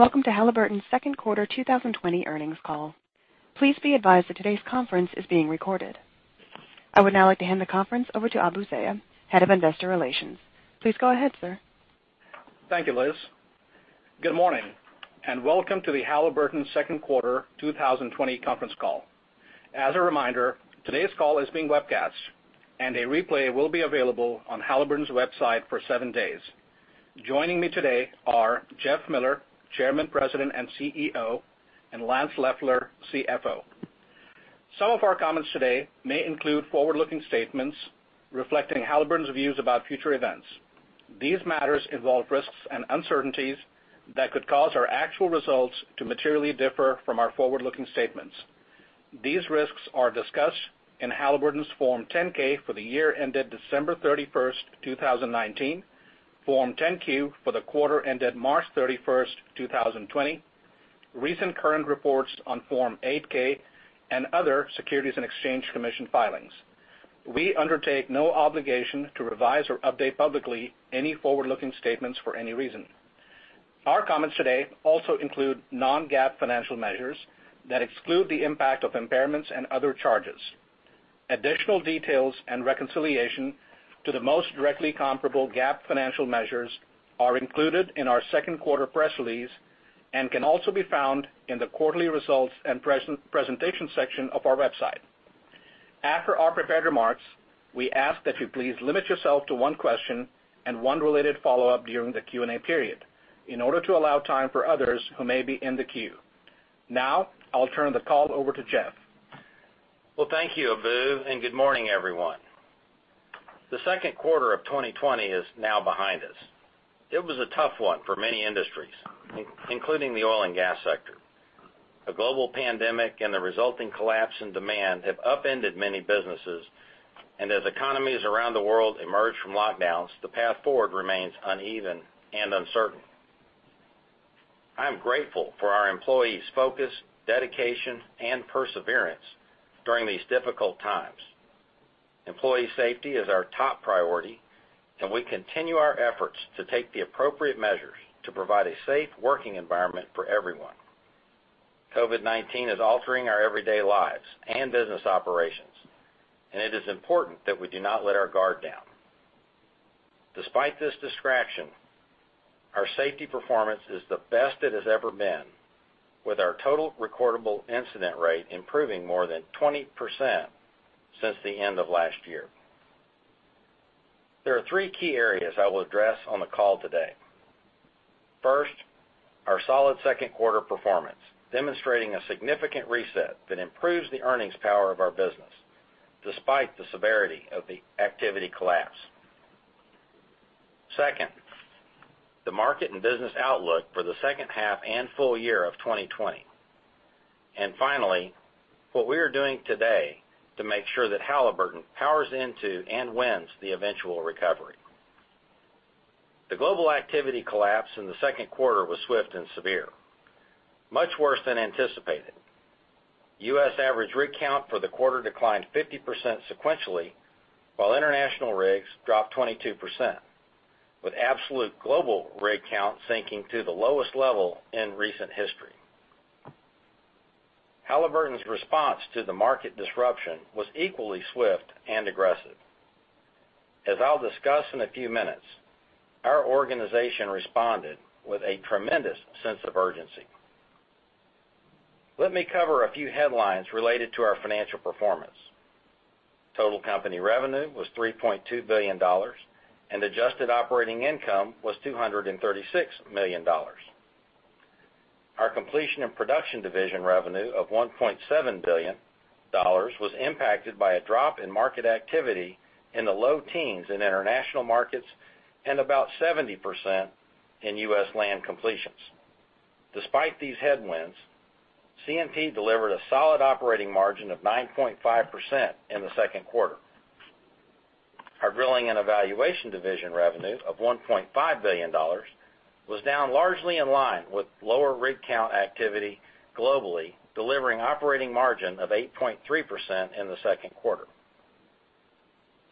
Welcome to Halliburton's second quarter 2020 earnings call. Please be advised that today's conference is being recorded. I would now like to hand the conference over to Abu Zeya, Head of Investor Relations. Please go ahead, sir. Thank you, Liz. Good morning, welcome to the Halliburton second quarter 2020 conference call. As a reminder, today's call is being webcast and a replay will be available on Halliburton's website for seven days. Joining me today are Jeff Miller, Chairman, President, and CEO, Lance Loeffler, CFO. Some of our comments today may include forward-looking statements reflecting Halliburton's views about future events. These matters involve risks and uncertainties that could cause our actual results to materially differ from our forward-looking statements. These risks are discussed in Halliburton's Form 10-K for the year ended December 31, 2019, Form 10-Q for the quarter ended March 31, 2020, recent current reports on Form 8-K and other Securities and Exchange Commission filings. We undertake no obligation to revise or update publicly any forward-looking statements for any reason. Our comments today also include non-GAAP financial measures that exclude the impact of impairments and other charges. Additional details and reconciliation to the most directly comparable GAAP financial measures are included in our second quarter press release and can also be found in the quarterly results and presentation section of our website. After our prepared remarks, we ask that you please limit yourself to one question and one related follow-up during the Q&A period in order to allow time for others who may be in the queue. Now, I'll turn the call over to Jeff. Well, thank you, Abu, and good morning, everyone. The second quarter of 2020 is now behind us. It was a tough one for many industries, including the oil and gas sector. A global pandemic and the resulting collapse in demand have upended many businesses, and as economies around the world emerge from lockdowns, the path forward remains uneven and uncertain. I am grateful for our employees' focus, dedication, and perseverance during these difficult times. Employee safety is our top priority, and we continue our efforts to take the appropriate measures to provide a safe working environment for everyone. COVID-19 is altering our everyday lives and business operations, and it is important that we do not let our guard down. Despite this distraction, our safety performance is the best it has ever been, with our total recordable incident rate improving more than 20% since the end of last year. There are three key areas I will address on the call today. First, our solid second quarter performance, demonstrating a significant reset that improves the earnings power of our business despite the severity of the activity collapse. Second, the market and business outlook for the second half and full year of 2020, and finally, what we are doing today to make sure that Halliburton powers into and wins the eventual recovery. The global activity collapse in the second quarter was swift and severe, much worse than anticipated. U.S. average rig count for the quarter declined 50% sequentially, while international rigs dropped 22%, with absolute global rig count sinking to the lowest level in recent history. Halliburton's response to the market disruption was equally swift and aggressive. As I'll discuss in a few minutes, our organization responded with a tremendous sense of urgency. Let me cover a few headlines related to our financial performance. Total company revenue was $3.2 billion and adjusted operating income was $236 million. Our Completion and Production division revenue of $1.7 billion was impacted by a drop in market activity in the low teens in international markets and about 70% in U.S. land completions. Despite these headwinds, C&P delivered a solid operating margin of 9.5% in the second quarter. Our Drilling and Evaluation division revenue of $1.5 billion was down largely in line with lower rig count activity globally, delivering operating margin of 8.3% in the second quarter.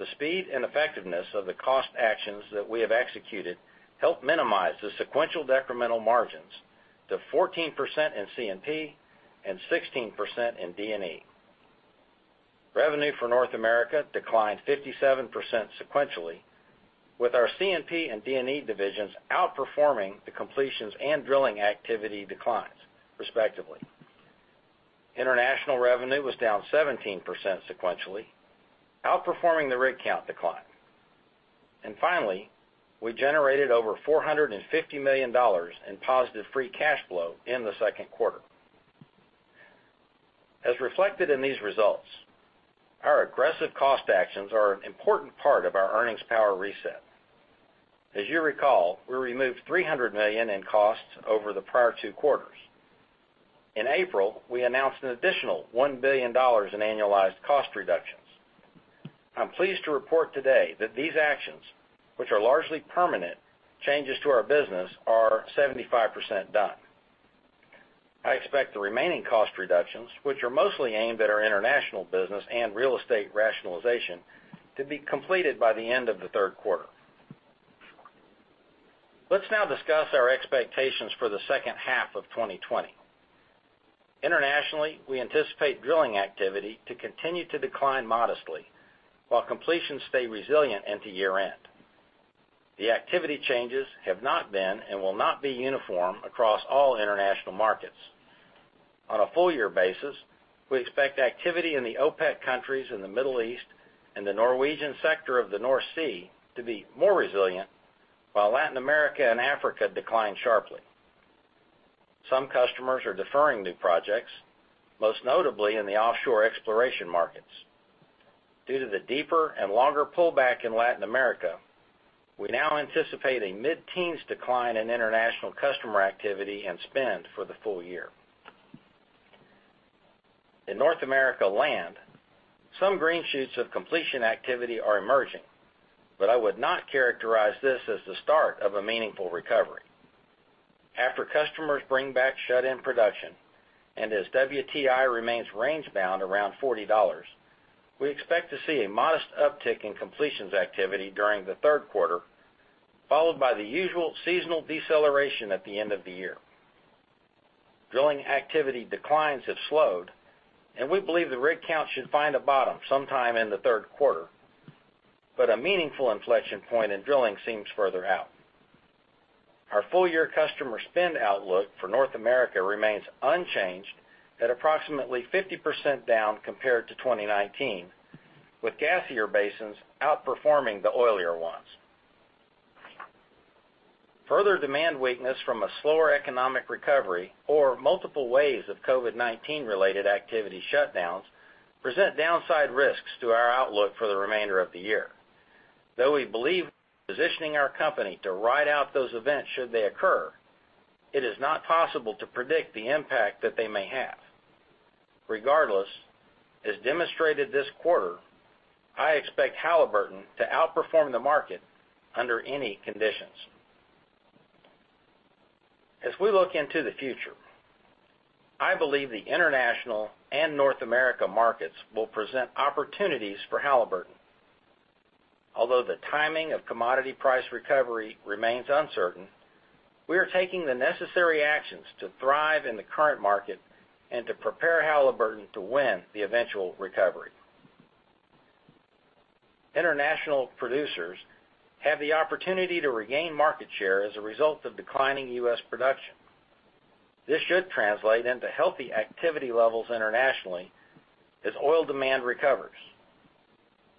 The speed and effectiveness of the cost actions that we have executed helped minimize the sequential decremental margins to 14% in C&P and 16% in D&E. Revenue for North America declined 57% sequentially, with our C&P and D&E divisions outperforming the completions and drilling activity declines, respectively. International revenue was down 17% sequentially, outperforming the rig count decline. We generated over $450 million in positive free cash flow in the second quarter. As reflected in these results, our aggressive cost actions are an important part of our earnings power reset. As you recall, we removed $300 million in costs over the prior two quarters. In April, we announced an additional $1 billion in annualized cost reductions. I'm pleased to report today that these actions, which are largely permanent changes to our business, are 75% done. I expect the remaining cost reductions, which are mostly aimed at our international business and real estate rationalization, to be completed by the end of the third quarter. Let's now discuss our expectations for the second half of 2020. Internationally, we anticipate drilling activity to continue to decline modestly while completions stay resilient into year-end. The activity changes have not been and will not be uniform across all international markets. On a full year basis, we expect activity in the OPEC countries in the Middle East and the Norwegian sector of the North Sea to be more resilient, while Latin America and Africa decline sharply. Some customers are deferring new projects, most notably in the offshore exploration markets. Due to the deeper and longer pullback in Latin America, we now anticipate a mid-teens decline in international customer activity and spend for the full year. In North America land, some green shoots of completion activity are emerging, but I would not characterize this as the start of a meaningful recovery. After customers bring back shut-in production and as WTI remains range-bound around $40, we expect to see a modest uptick in completions activity during the third quarter, followed by the usual seasonal deceleration at the end of the year. Drilling activity declines have slowed. We believe the rig count should find a bottom sometime in the third quarter. A meaningful inflection point in drilling seems further out. Our full-year customer spend outlook for North America remains unchanged at approximately 50% down compared to 2019, with gassier basins outperforming the oilier ones. Further demand weakness from a slower economic recovery or multiple waves of COVID-19 related activity shutdowns present downside risks to our outlook for the remainder of the year. We believe positioning our company to ride out those events should they occur, it is not possible to predict the impact that they may have. Regardless, as demonstrated this quarter, I expect Halliburton to outperform the market under any conditions. As we look into the future, I believe the international and North America markets will present opportunities for Halliburton. Although the timing of commodity price recovery remains uncertain, we are taking the necessary actions to thrive in the current market and to prepare Halliburton to win the eventual recovery. International producers have the opportunity to regain market share as a result of declining U.S. production. This should translate into healthy activity levels internationally as oil demand recovers.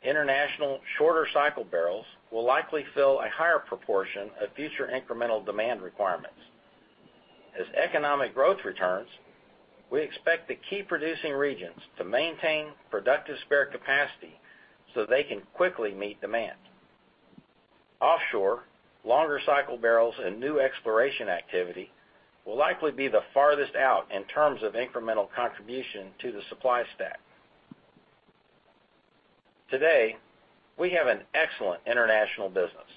International shorter cycle barrels will likely fill a higher proportion of future incremental demand requirements. As economic growth returns, we expect the key producing regions to maintain productive spare capacity so they can quickly meet demand. Offshore, longer cycle barrels and new exploration activity will likely be the farthest out in terms of incremental contribution to the supply stack. Today, we have an excellent international business,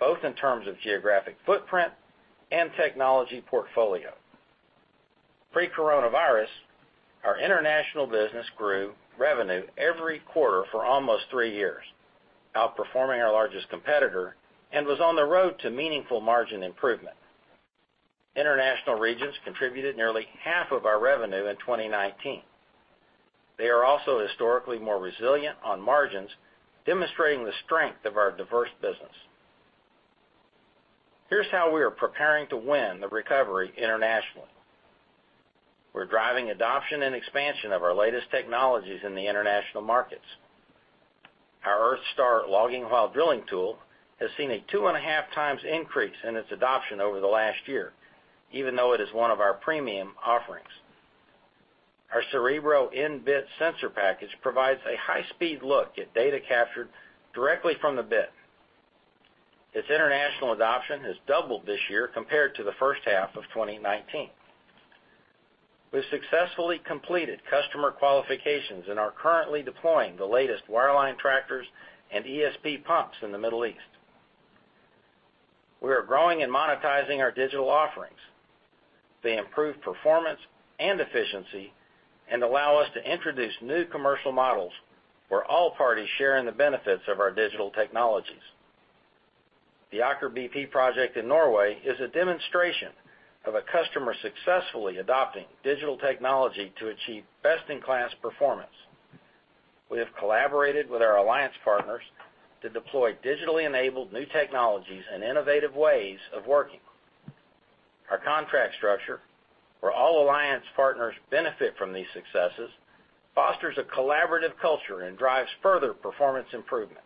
both in terms of geographic footprint and technology portfolio. Pre-COVID-19, our international business grew revenue every quarter for almost three years, outperforming our largest competitor, and was on the road to meaningful margin improvement. International regions contributed nearly half of our revenue in 2019. They are also historically more resilient on margins, demonstrating the strength of our diverse business. Here's how we are preparing to win the recovery internationally. We're driving adoption and expansion of our latest technologies in the international markets. Our EarthStar logging while drilling tool has seen a two and a half times increase in its adoption over the last year, even though it is one of our premium offerings. Our Cerebro in-bit sensor package provides a high-speed look at data captured directly from the bit. Its international adoption has doubled this year compared to the first half of 2019. We successfully completed customer qualifications and are currently deploying the latest wireline tractors and ESP pumps in the Middle East. We are growing and monetizing our digital offerings. They improve performance and efficiency and allow us to introduce new commercial models where all parties share in the benefits of our digital technologies. The Aker BP project in Norway is a demonstration of a customer successfully adopting digital technology to achieve best-in-class performance. We have collaborated with our alliance partners to deploy digitally enabled new technologies and innovative ways of working. Our contract structure, where all alliance partners benefit from these successes, fosters a collaborative culture and drives further performance improvement.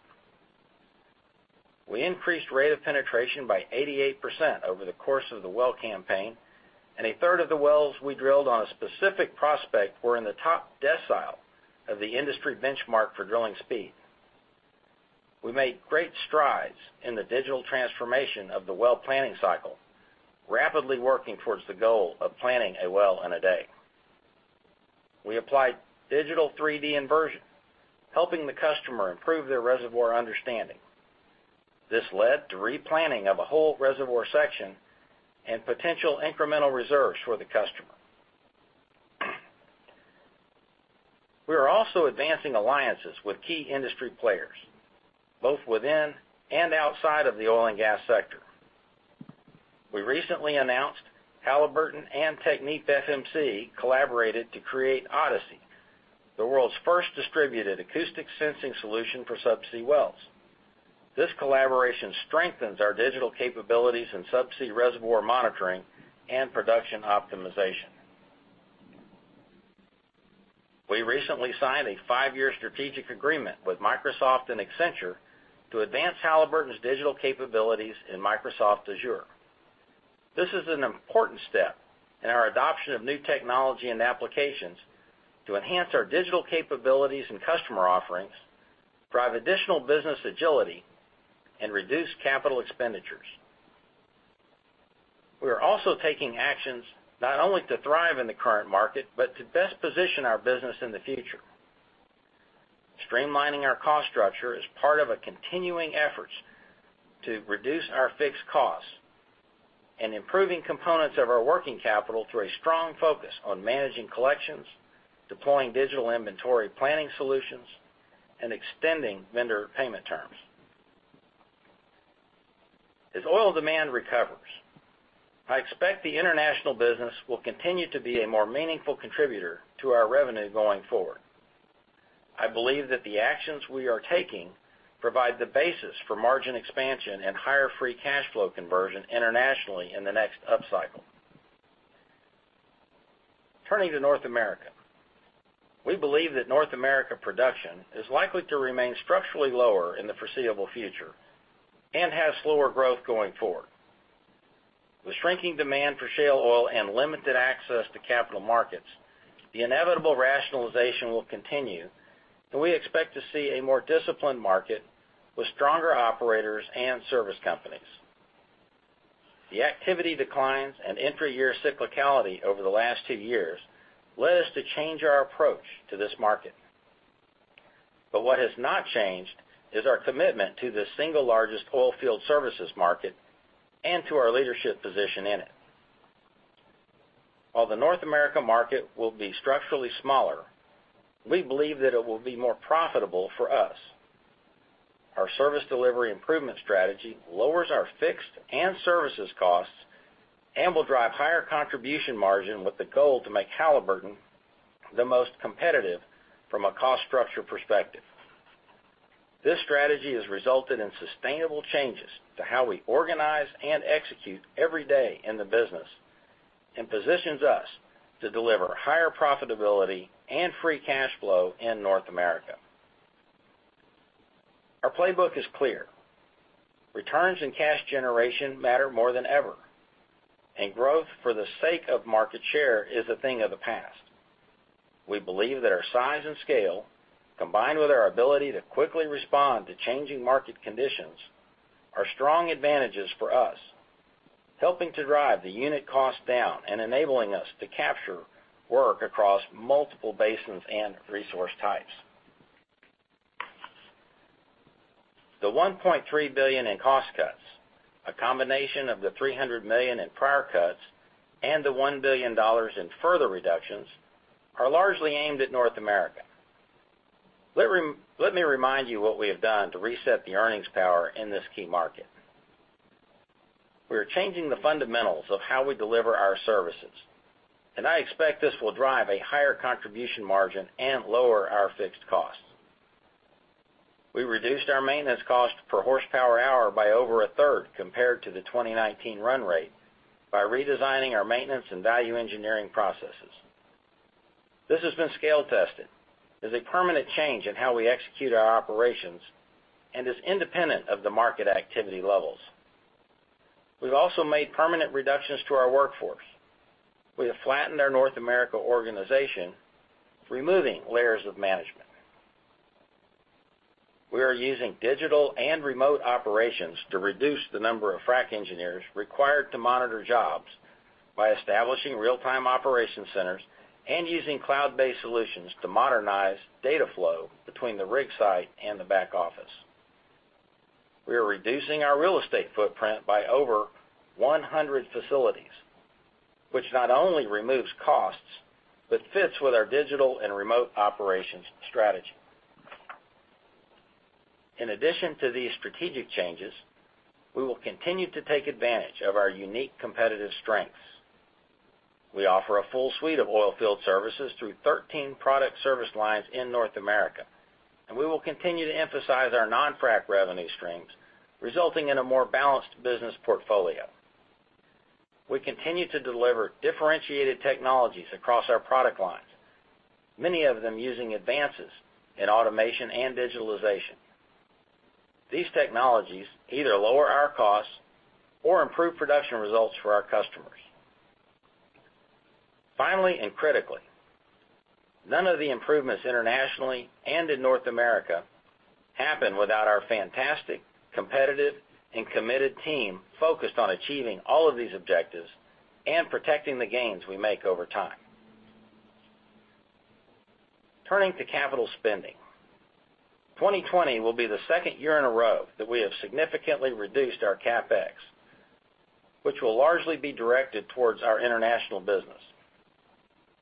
We increased rate of penetration by 88% over the course of the well campaign, and a third of the wells we drilled on a specific prospect were in the top decile of the industry benchmark for drilling speed. We made great strides in the digital transformation of the well planning cycle, rapidly working towards the goal of planning a well. We applied digital 3D inversion, helping the customer improve their reservoir understanding. This led to replanning of a whole reservoir section and potential incremental reserves for the customer. We are also advancing alliances with key industry players, both within and outside of the oil and gas sector. We recently announced Halliburton and TechnipFMC collaborated to create Odassea, the world's first distributed acoustic sensing solution for subsea wells. This collaboration strengthens our digital capabilities in subsea reservoir monitoring and production optimization. We recently signed a five-year strategic agreement with Microsoft and Accenture to advance Halliburton's digital capabilities in Microsoft Azure. This is an important step in our adoption of new technology and applications to enhance our digital capabilities and customer offerings, drive additional business agility, and reduce capital expenditures. We are also taking actions not only to thrive in the current market, but to best position our business in the future. Streamlining our cost structure is part of a continuing efforts to reduce our fixed costs and improving components of our working capital through a strong focus on managing collections, deploying digital inventory planning solutions, and extending vendor payment terms. As oil demand recovers, I expect the international business will continue to be a more meaningful contributor to our revenue going forward. I believe that the actions we are taking provide the basis for margin expansion and higher free cash flow conversion internationally in the next upcycle. Turning to North America. We believe that North America production is likely to remain structurally lower in the foreseeable future and have slower growth going forward. With shrinking demand for shale oil and limited access to capital markets, the inevitable rationalization will continue, and we expect to see a more disciplined market with stronger operators and service companies. The activity declines and intra-year cyclicality over the last two years led us to change our approach to this market. What has not changed is our commitment to the single largest oil field services market and to our leadership position in it. While the North America market will be structurally smaller, we believe that it will be more profitable for us. Our service delivery improvement strategy lowers our fixed and services costs and will drive higher contribution margin with the goal to make Halliburton the most competitive from a cost structure perspective. This strategy has resulted in sustainable changes to how we organize and execute every day in the business and positions us to deliver higher profitability and free cash flow in North America. Our playbook is clear. Returns and cash generation matter more than ever, and growth for the sake of market share is a thing of the past. We believe that our size and scale, combined with our ability to quickly respond to changing market conditions, are strong advantages for us, helping to drive the unit cost down and enabling us to capture work across multiple basins and resource types. The $1.3 billion in cost cuts, a combination of the $300 million in prior cuts and the $1 billion in further reductions, are largely aimed at North America. Let me remind you what we have done to reset the earnings power in this key market. We are changing the fundamentals of how we deliver our services, and I expect this will drive a higher contribution margin and lower our fixed costs. We reduced our maintenance cost per horsepower hour by over a third compared to the 2019 run rate by redesigning our maintenance and value engineering processes. This has been scale tested, is a permanent change in how we execute our operations, and is independent of the market activity levels. We've also made permanent reductions to our workforce. We have flattened our North America organization, removing layers of management. We are using digital and remote operations to reduce the number of frac engineers required to monitor jobs by establishing real-time operation centers and using cloud-based solutions to modernize data flow between the rig site and the back office. We are reducing our real estate footprint by over 100 facilities, which not only removes costs, but fits with our digital and remote operations strategy. In addition to these strategic changes, we will continue to take advantage of our unique competitive strengths. We offer a full suite of oil field services through 13 product service lines in North America, and we will continue to emphasize our non-frac revenue streams, resulting in a more balanced business portfolio. We continue to deliver differentiated technologies across our product lines, many of them using advances in automation and digitalization. These technologies either lower our costs or improve production results for our customers. Finally, critically, none of the improvements internationally and in North America happen without our fantastic, competitive, and committed team focused on achieving all of these objectives and protecting the gains we make over time. Turning to capital spending. 2020 will be the second year in a row that we have significantly reduced our CapEx, which will largely be directed towards our international business.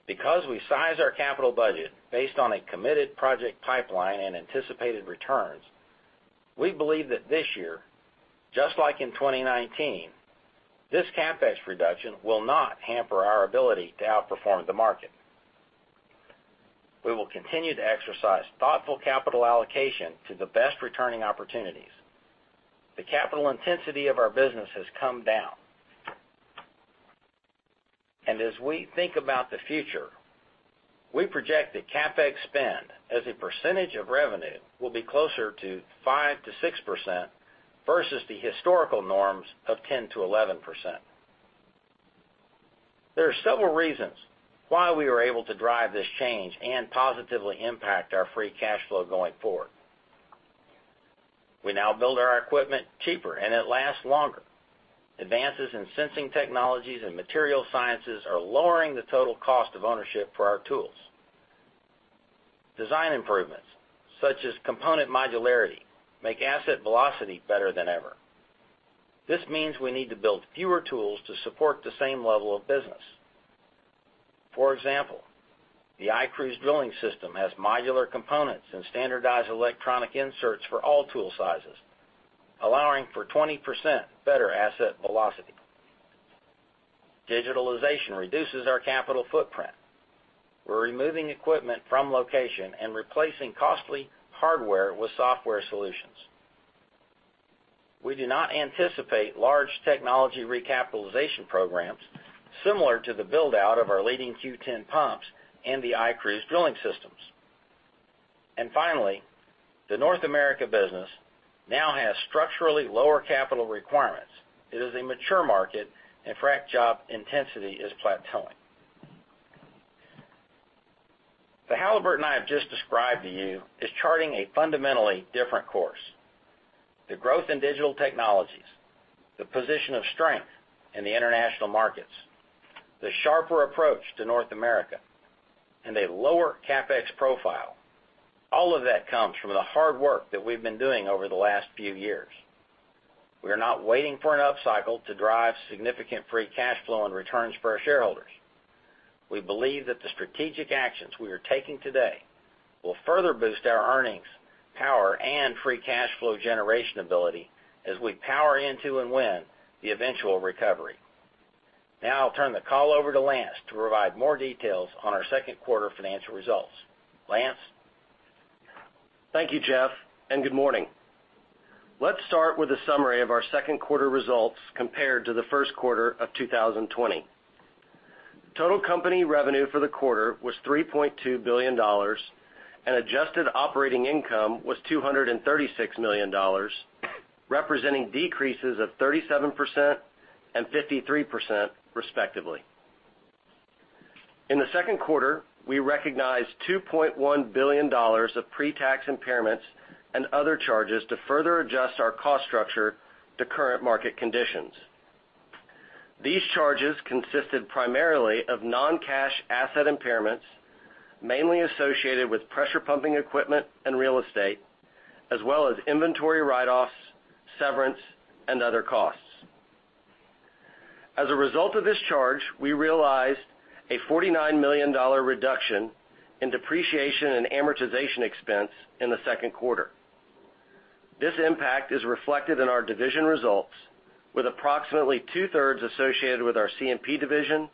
Because we size our capital budget based on a committed project pipeline and anticipated returns, we believe that this year, just like in 2019, this CapEx reduction will not hamper our ability to outperform the market. We will continue to exercise thoughtful capital allocation to the best returning opportunities. The capital intensity of our business has come down. As we think about the future, we project that CapEx spend as a percentage of revenue will be closer to 5%-6% versus the historical norms of 10%-11%. There are several reasons why we were able to drive this change and positively impact our free cash flow going forward. We now build our equipment cheaper, and it lasts longer. Advances in sensing technologies and material sciences are lowering the total cost of ownership for our tools. Design improvements, such as component modularity, make asset velocity better than ever. This means we need to build fewer tools to support the same level of business. For example, the iCruise drilling system has modular components and standardized electronic inserts for all tool sizes, allowing for 20% better asset velocity. Digitalization reduces our capital footprint. We are removing equipment from location and replacing costly hardware with software solutions. We do not anticipate large technology recapitalization programs similar to the build-out of our leading Q10 pumps and the iCruise drilling systems. Finally, the North America business now has structurally lower capital requirements. It is a mature market, and frac job intensity is plateauing. The Halliburton I have just described to you is charting a fundamentally different course. The growth in digital technologies, the position of strength in the international markets, the sharper approach to North America, and a lower CapEx profile. All of that comes from the hard work that we've been doing over the last few years. We are not waiting for an upcycle to drive significant free cash flow and returns for our shareholders. We believe that the strategic actions we are taking today will further boost our earnings, power, and free cash flow generation ability as we power into and win the eventual recovery. Now I'll turn the call over to Lance to provide more details on our second quarter financial results. Lance? Thank you, Jeff, and good morning. Let's start with a summary of our second quarter results compared to the first quarter of 2020. Total company revenue for the quarter was $3.2 billion, and adjusted operating income was $236 million, representing decreases of 37% and 53% respectively. In the second quarter, we recognized $2.1 billion of pre-tax impairments and other charges to further adjust our cost structure to current market conditions. These charges consisted primarily of non-cash asset impairments, mainly associated with pressure pumping equipment and real estate, as well as inventory write-offs, severance, and other costs. As a result of this charge, we realized a $49 million reduction in depreciation and amortization expense in the second quarter. This impact is reflected in our division results with approximately two-thirds associated with our C&P division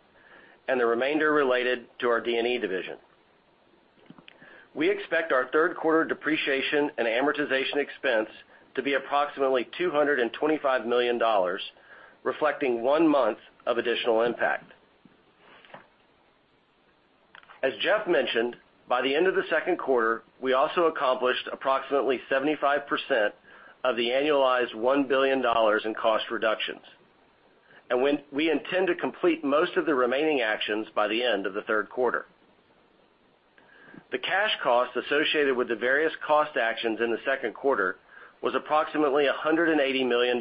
and the remainder related to our D&E division. We expect our third-quarter depreciation and amortization expense to be approximately $225 million, reflecting one month of additional impact. As Jeff mentioned, by the end of the second quarter, we also accomplished approximately 75% of the annualized $1 billion in cost reductions. We intend to complete most of the remaining actions by the end of the third quarter. The cash cost associated with the various cost actions in the second quarter was approximately $180 million.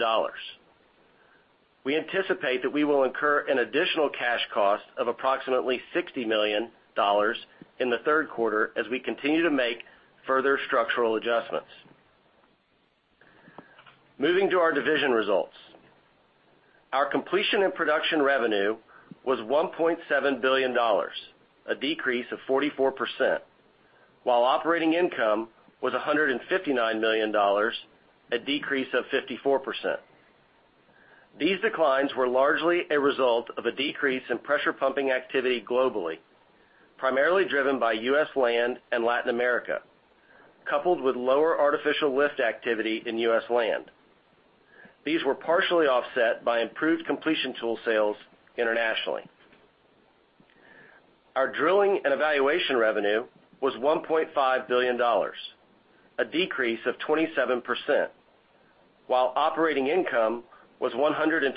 We anticipate that we will incur an additional cash cost of approximately $60 million in the third quarter as we continue to make further structural adjustments. Moving to our division results. Our Completion and Production revenue was $1.7 billion, a decrease of 44%, while operating income was $159 million, a decrease of 54%. These declines were largely a result of a decrease in pressure pumping activity globally, primarily driven by U.S. land and Latin America, coupled with lower artificial lift activity in U.S. land. These were partially offset by improved completion tool sales internationally. Our Drilling and Evaluation revenue was $1.5 billion, a decrease of 27%, while operating income was $127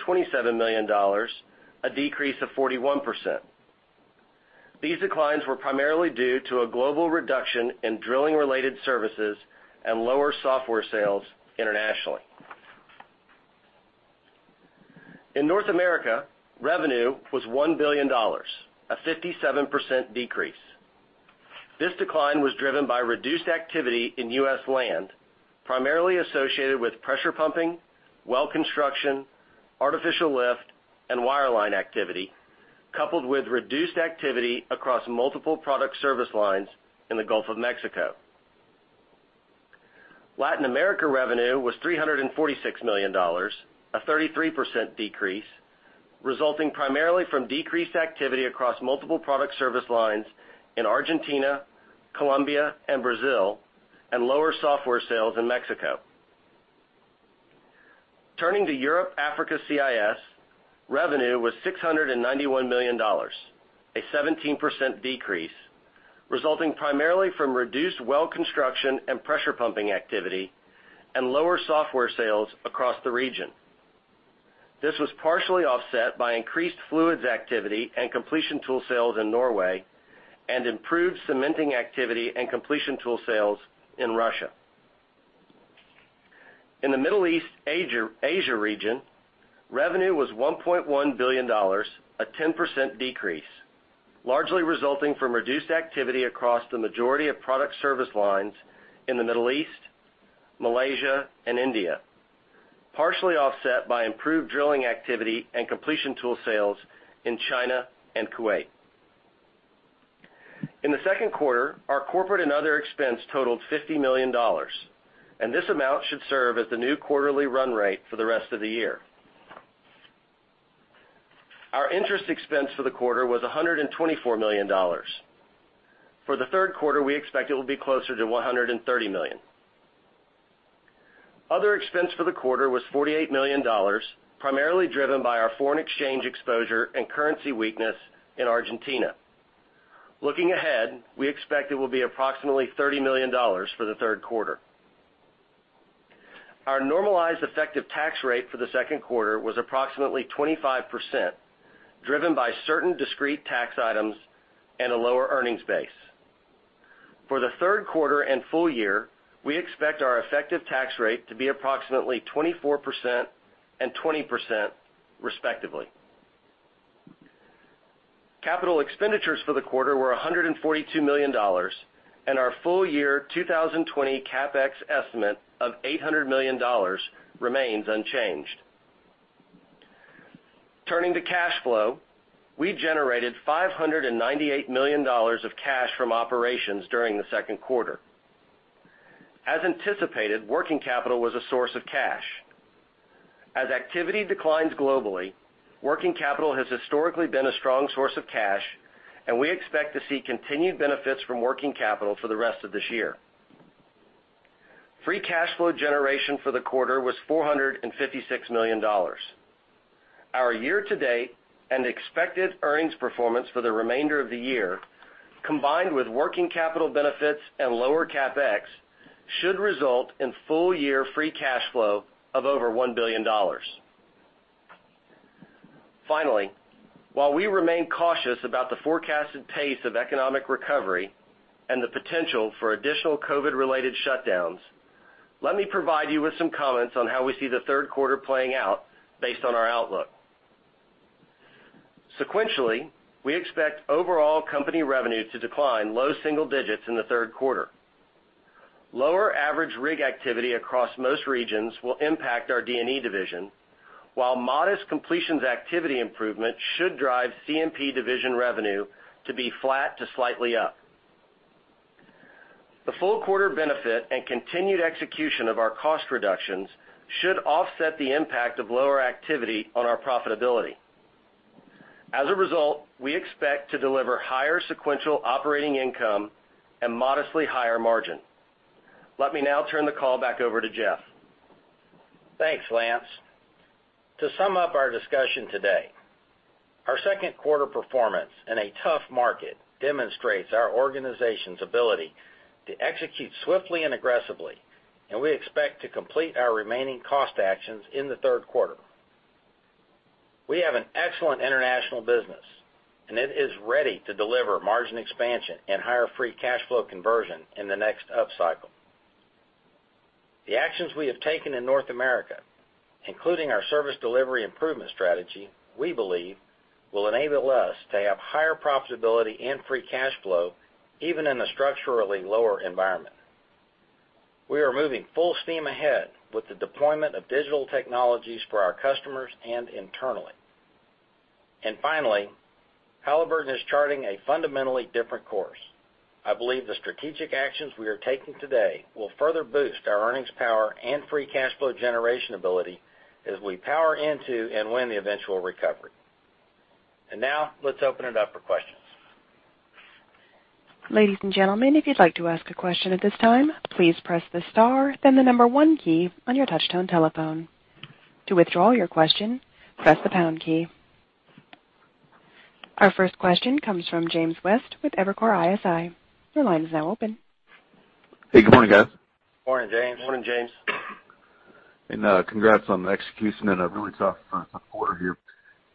million, a decrease of 41%. These declines were primarily due to a global reduction in drilling-related services and lower software sales internationally. In North America, revenue was $1 billion, a 57% decrease. This decline was driven by reduced activity in U.S. land, primarily associated with pressure pumping, well construction, artificial lift, and wireline activity, coupled with reduced activity across multiple product service lines in the Gulf of Mexico. Latin America revenue was $346 million, a 33% decrease, resulting primarily from decreased activity across multiple product service lines in Argentina, Colombia, and Brazil, and lower software sales in Mexico. Turning to Europe, Africa, CIS, revenue was $691 million, a 17% decrease, resulting primarily from reduced well construction and pressure pumping activity and lower software sales across the region. This was partially offset by increased fluids activity and completion tool sales in Norway and improved cementing activity and completion tool sales in Russia. In the Middle East, Asia region, revenue was $1.1 billion, a 10% decrease, largely resulting from reduced activity across the majority of product service lines in the Middle East, Malaysia, and India, partially offset by improved drilling activity and completion tool sales in China and Kuwait. In the second quarter, our corporate and other expense totaled $50 million. This amount should serve as the new quarterly run rate for the rest of the year. Our interest expense for the quarter was $124 million. For the third quarter, we expect it will be closer to $130 million. Other expense for the quarter was $48 million, primarily driven by our foreign exchange exposure and currency weakness in Argentina. Looking ahead, we expect it will be approximately $30 million for the third quarter. Our normalized effective tax rate for the second quarter was approximately 25%, driven by certain discrete tax items and a lower earnings base. For the third quarter and full year, we expect our effective tax rate to be approximately 24% and 20%, respectively. Capital expenditures for the quarter were $142 million. Our full-year 2020 CapEx estimate of $800 million remains unchanged. Turning to cash flow. We generated $598 million of cash from operations during the second quarter. As anticipated, working capital was a source of cash. As activity declines globally, working capital has historically been a strong source of cash, and we expect to see continued benefits from working capital for the rest of this year. Free cash flow generation for the quarter was $456 million. Our year-to-date and expected earnings performance for the remainder of the year, combined with working capital benefits and lower CapEx, should result in full-year free cash flow of over $1 billion. While we remain cautious about the forecasted pace of economic recovery and the potential for additional COVID-related shutdowns, let me provide you with some comments on how we see the third quarter playing out based on our outlook. Sequentially, we expect overall company revenue to decline low single digits in the third quarter. Lower average rig activity across most regions will impact our D&E division, while modest completions activity improvement should drive C&P division revenue to be flat to slightly up. The full quarter benefit and continued execution of our cost reductions should offset the impact of lower activity on our profitability. As a result, we expect to deliver higher sequential operating income and modestly higher margin. Let me now turn the call back over to Jeff. Thanks, Lance. To sum up our discussion today, our second quarter performance in a tough market demonstrates our organization's ability to execute swiftly and aggressively, and we expect to complete our remaining cost actions in the third quarter. We have an excellent international business, and it is ready to deliver margin expansion and higher free cash flow conversion in the next upcycle. The actions we have taken in North America, including our service delivery improvement strategy, we believe, will enable us to have higher profitability and free cash flow even in a structurally lower environment. We are moving full steam ahead with the deployment of digital technologies for our customers and internally. Finally, Halliburton is charting a fundamentally different course. I believe the strategic actions we are taking today will further boost our earnings power and free cash flow generation ability as we power into and win the eventual recovery. Now, let's open it up for questions. Ladies and gentlemen, if you'd like to ask a question at this time, please press the star, then the number one key on your touch-tone telephone. To withdraw your question, press the pound key. Our first question comes from James West with Evercore ISI. Your line is now open. Hey, good morning, guys. Morning, James. Morning, James. Congrats on the execution in a really tough quarter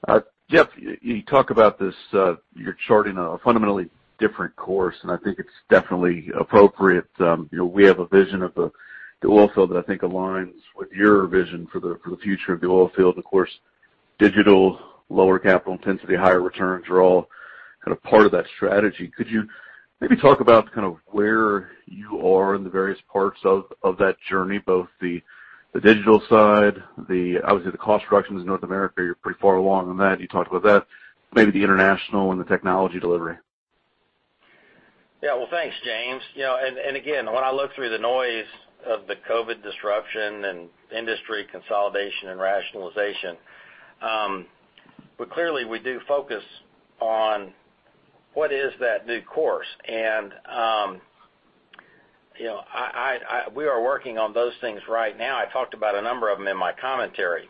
here. Jeff, you talk about this, you're charting a fundamentally different course, and I think it's definitely appropriate. We have a vision of the oil field that I think aligns with your vision for the future of the oil field. Of course, digital, lower capital intensity, higher returns are all kind of part of that strategy. Could you maybe talk about kind of where you are in the various parts of that journey, both the digital side, obviously, the cost reductions in North America, you're pretty far along in that, you talked about that, maybe the international and the technology delivery? Well, thanks, James. Again, when I look through the noise of the COVID disruption and industry consolidation and rationalization, clearly, we do focus on what is that new course. We are working on those things right now. I talked about a number of them in my commentary.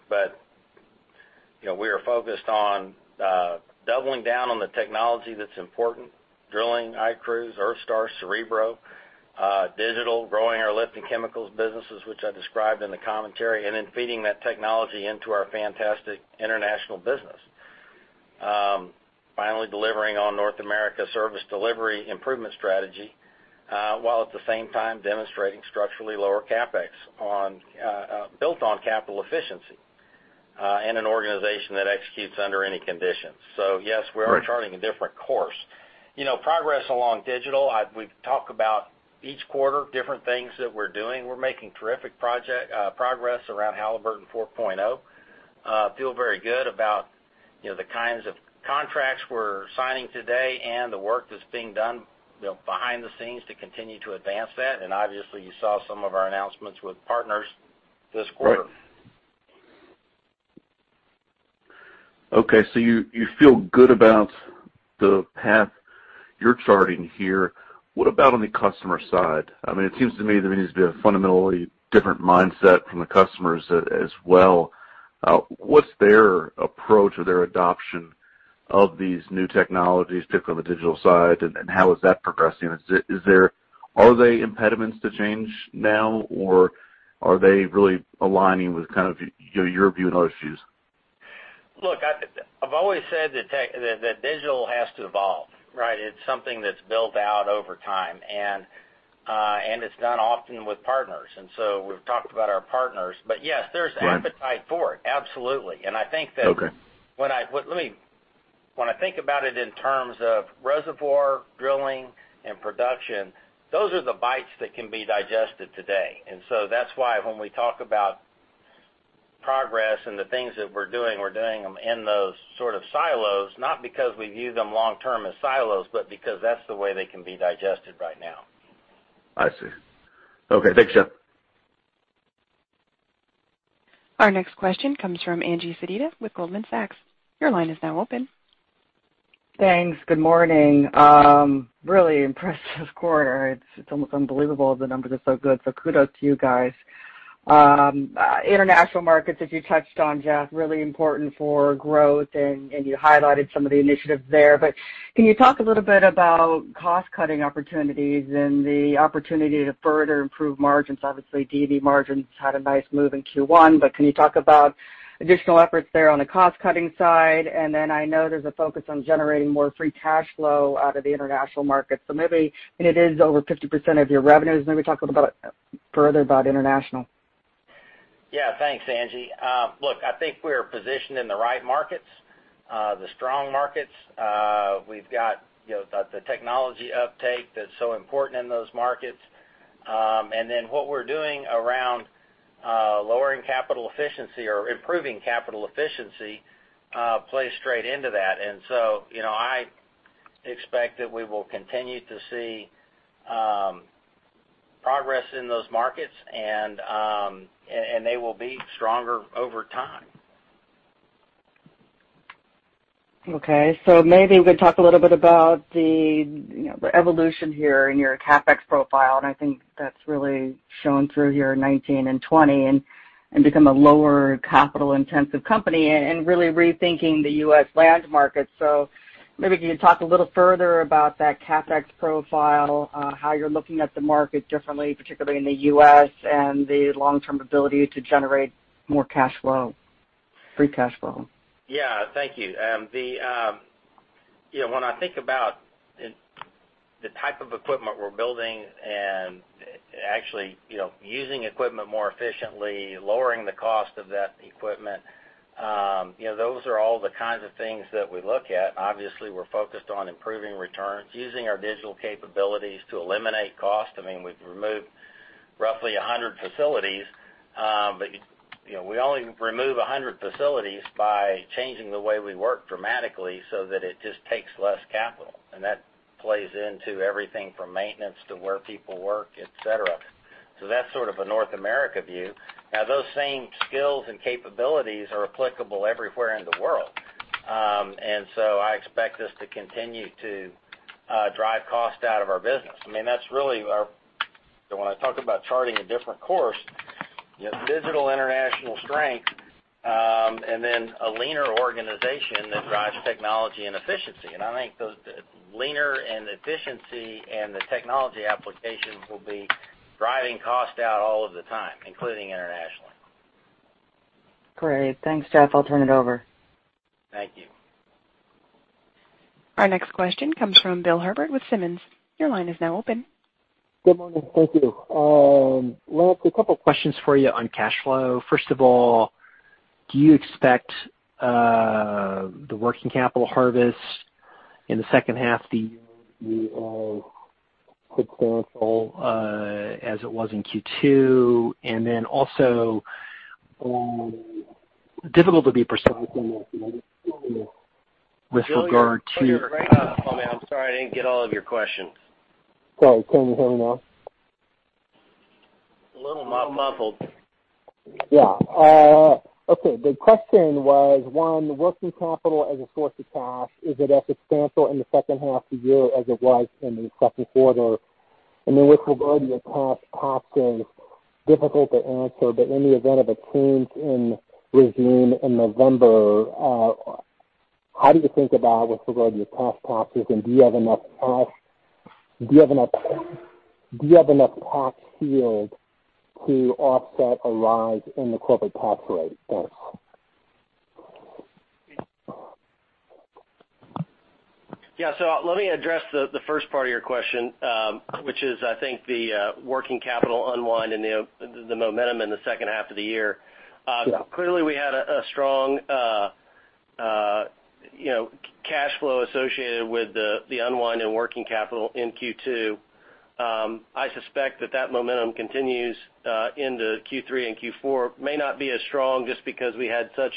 We are focused on doubling down on the technology that's important, drilling iCruise, EarthStar, Cerebro, digital, growing our lifting chemicals businesses, which I described in the commentary, and then feeding that technology into our fantastic international business. Finally, delivering on North America service delivery improvement strategy, while at the same time demonstrating structurally lower CapEx built on capital efficiency, and an organization that executes under any conditions. Yes. Right we are charting a different course. Progress along digital. We've talked about each quarter, different things that we're doing. We're making terrific progress around Well Construction 4.0. We feel very good about the kinds of contracts we're signing today and the work that's being done behind the scenes to continue to advance that. Obviously, you saw some of our announcements with partners this quarter. Right. Okay. You feel good about the path you're charting here. What about on the customer side? It seems to me there needs to be a fundamentally different mindset from the customers as well. What's their approach or their adoption of these new technologies, particularly on the digital side, and how is that progressing? Are there impediments to change now, or are they really aligning with kind of your view and those views? Look, I've always said that digital has to evolve, right? It's something that's built out over time, and it's done often with partners. We've talked about our partners. Right there's appetite for it. Absolutely. Okay When I think about it in terms of reservoir drilling and production, those are the bites that can be digested today. That's why when we talk about progress and the things that we're doing, we're doing them in those sort of silos, not because we view them long-term as silos, but because that's the way they can be digested right now. I see. Okay, thanks, Jeff. Our next question comes from Angie Sedita with Goldman Sachs. Your line is now open. Thanks. Good morning. Really impressive quarter. It's almost unbelievable the numbers are so good, so kudos to you guys. International markets, as you touched on, Jeff, really important for growth. You highlighted some of the initiatives there. Can you talk a little bit about cost-cutting opportunities and the opportunity to further improve margins? Obviously, D&E margins had a nice move in Q1. Can you talk about additional efforts there on the cost-cutting side? I know there's a focus on generating more free cash flow out of the international market. It is over 50% of your revenues. Maybe talk further about international. Yeah. Thanks, Angie. Look, I think we are positioned in the right markets, the strong markets. We've got the technology uptake that's so important in those markets. What we're doing around lowering capital efficiency or improving capital efficiency plays straight into that. I expect that we will continue to see progress in those markets, and they will be stronger over time. Okay. Maybe we can talk a little bit about the evolution here in your CapEx profile, and I think that's really shown through here in 2019 and 2020, and become a lower capital-intensive company and really rethinking the U.S. land market. Maybe can you talk a little further about that CapEx profile, how you're looking at the market differently, particularly in the U.S., and the long-term ability to generate more cash flow, free cash flow? Thank you. When I think about the type of equipment we're building and actually using equipment more efficiently, lowering the cost of that equipment, those are all the kinds of things that we look at. We're focused on improving returns, using our digital capabilities to eliminate cost. We've removed roughly 100 facilities, we only remove 100 facilities by changing the way we work dramatically so that it just takes less capital, and that plays into everything from maintenance to where people work, et cetera. That's sort of a North America view. Those same skills and capabilities are applicable everywhere in the world. I expect this to continue to drive cost out of our business. When I talk about charting a different course, digital, international strength, and then a leaner organization that drives technology and efficiency. I think the leaner and efficiency and the technology application will be driving cost down all of the time, including internationally. Great. Thanks, Jeff. I'll turn it over. Thank you. Our next question comes from Bill Herbert with Simmons. Your line is now open. Good morning. Thank you. Well, a couple of questions for you on cash flow. First of all, do you expect the working capital harvest in the second half of the year to be as substantial as it was in Q2? Also. Bill, you're breaking up on me. I'm sorry, I didn't get all of your questions. Sorry. Can you hear me now? A little muffled. Yeah. Okay. The question was, one, the working capital as a source of cash, is it as substantial in the second half of the year as it was in the second quarter? Then with regard to your tax costing, difficult to answer, but in the event of a change in regime in November, how do you think about with regard to your tax costs and do you have enough cash yield to offset a rise in the corporate tax rate? Thanks. Yeah. Let me address the first part of your question, which is, I think the working capital unwind and the momentum in the second half of the year. Yeah. We had a strong cash flow associated with the unwind in working capital in Q2. I suspect that momentum continues into Q3 and Q4. May not be as strong just because we had such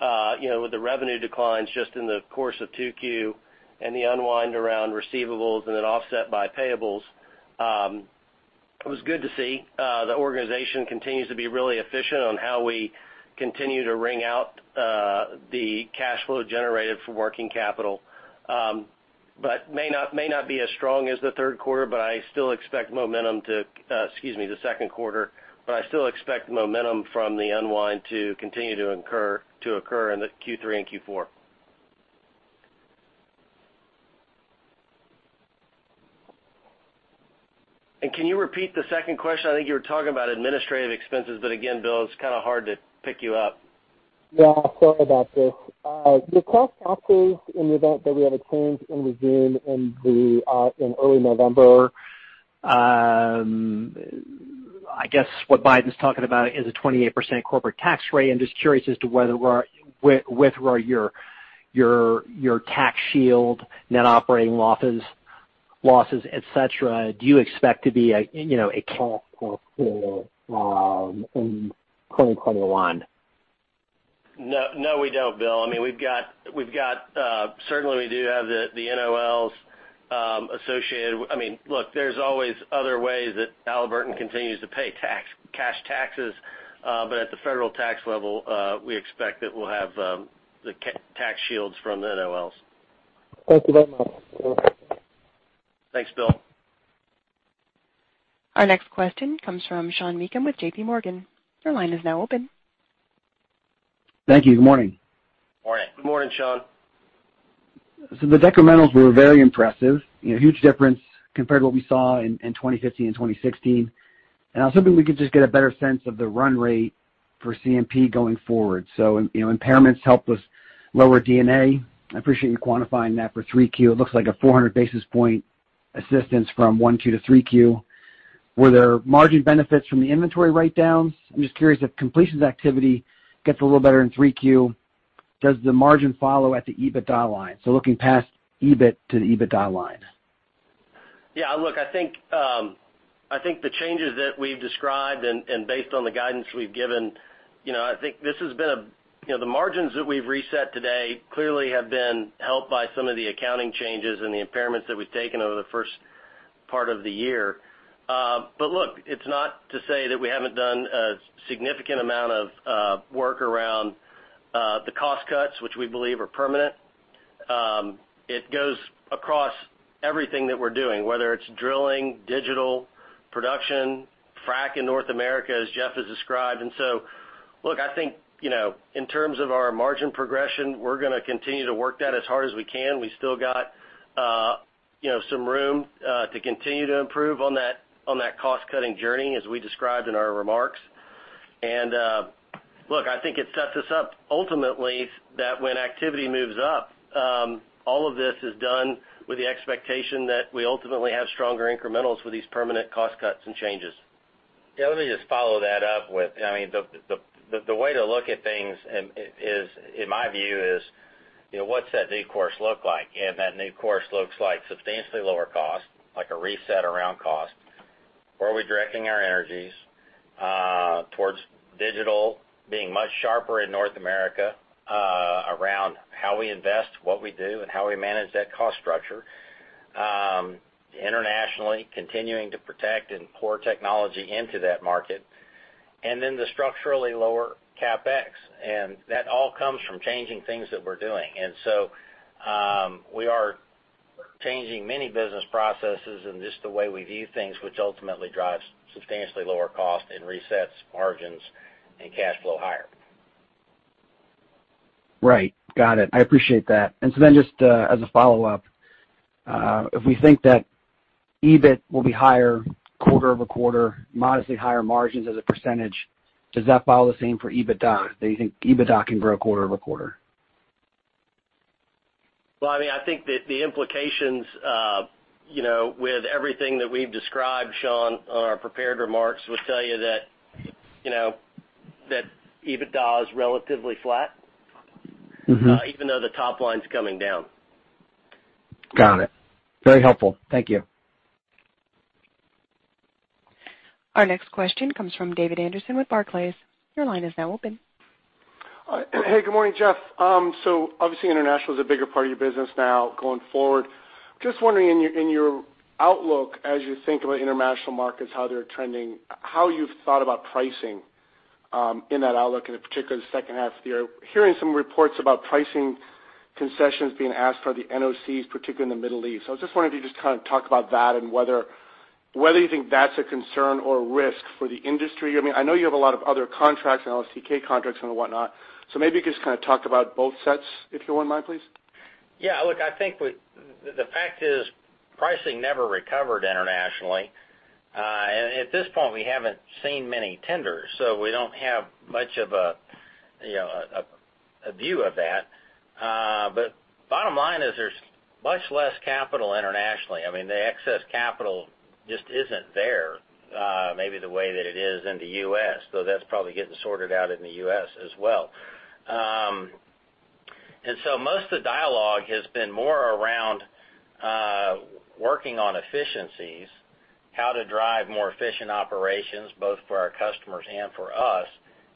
the revenue declines just in the course of 2Q and the unwind around receivables and then offset by payables. It was good to see. The organization continues to be really efficient on how we continue to wring out the cash flow generated from working capital. May not be as strong as the third quarter, but I still expect momentum to Excuse me, the second quarter. I still expect momentum from the unwind to continue to occur in Q3 and Q4. Can you repeat the second question? I think you were talking about administrative expenses, but again, Bill, it's kind of hard to pick you up. Yeah, sorry about this. The cost offsets in the event that we have a change in regime in early November. I guess what Biden's talking about is a 28% corporate tax rate, and just curious as to whether your tax shield, net operating losses, et cetera, do you expect [to be a in 2021]? No, we don't, Bill. Certainly, we do have the NOLs associated Look, there's always other ways that Halliburton continues to pay cash taxes. At the federal tax level, we expect that we'll have the tax shields from the NOLs. Thank you very much. Thanks, Bill. Our next question comes from Sean Meakim with J.P. Morgan. Your line is now open. Thank you. Good morning. Morning. Good morning, Sean. The decrementals were very impressive. Huge difference compared to what we saw in 2015 and 2016. I was hoping we could just get a better sense of the run rate for C&P going forward. Impairments helped with lower D&A. I appreciate you quantifying that for 3Q. It looks like a 400 basis points assistance from 1Q to 3Q. Were there margin benefits from the inventory write-downs? I'm just curious if completions activity gets a little better in 3Q, does the margin follow at the EBITDA line? Looking past EBIT to the EBITDA line. Yeah, look, I think the changes that we've described and based on the guidance we've given, the margins that we've reset today clearly have been helped by some of the accounting changes and the impairments that we've taken over the first part of the year. Look, it's not to say that we haven't done a significant amount of work around the cost cuts, which we believe are permanent. It goes across everything that we're doing, whether it's drilling, digital production, frack in North America, as Jeff has described. Look, I think, in terms of our margin progression, we're going to continue to work that as hard as we can. We still got some room to continue to improve on that cost-cutting journey, as we described in our remarks. Look, I think it sets us up ultimately that when activity moves up, all of this is done with the expectation that we ultimately have stronger incrementals with these permanent cost cuts and changes. Yeah, let me just follow that up. The way to look at things, in my view, is, what's that new course look like? That new course looks like substantially lower cost, like a reset around cost. Where are we directing our energies? Towards digital, being much sharper in North America, around how we invest, what we do, and how we manage that cost structure. Internationally, continuing to protect and pour technology into that market. The structurally lower CapEx. That all comes from changing things that we're doing. We are changing many business processes and just the way we view things, which ultimately drives substantially lower cost and resets margins and cash flow higher. Right. Got it. I appreciate that. Just as a follow-up, if we think that EBIT will be higher quarter-over-quarter, modestly higher margins as a %, does that follow the same for EBITDA? Do you think EBITDA can grow quarter-over-quarter? Well, I think that the implications with everything that we've described, Sean, on our prepared remarks would tell you that EBITDA is relatively flat. Even though the top line's coming down. Got it. Very helpful. Thank you. Our next question comes from David Anderson with Barclays. Your line is now open. Hey, good morning, Jeff. Obviously, international is a bigger part of your business now going forward. Just wondering in your outlook as you think about international markets, how they're trending, how you've thought about pricing, in that outlook in particular the second half of the year. Hearing some reports about pricing concessions being asked for the NOCs, particularly in the Middle East. I just wanted you to just kind of talk about that and whether you think that's a concern or risk for the industry. I know you have a lot of other contracts and LSTK contracts and whatnot. Maybe just kind of talk about both sets, if you wouldn't mind, please. Yeah, look, I think the fact is pricing never recovered internationally. At this point, we haven't seen many tenders, so we don't have much of a view of that. Bottom line is there's much less capital internationally. The excess capital just isn't there, maybe the way that it is in the U.S., though that's probably getting sorted out in the U.S. as well. Most of the dialogue has been more around working on efficiencies, how to drive more efficient operations both for our customers and for us,